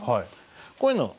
こういうの。